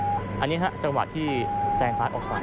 อันนี้ฮะจังหวะที่แซงซ้ายออกไป